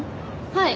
はい。